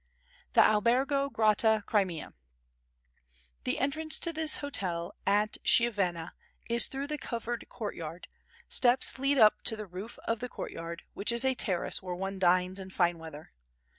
The Albergo Grotta Crimea The entrance to this hotel at Chiavenna is through a covered court yard; steps lead up to the roof of the court yard, which is a terrace where one dines in fine weather.